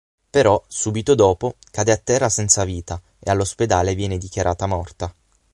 Però subito dopo cade a terra senza vita e all'ospedale viene dichiarata morta.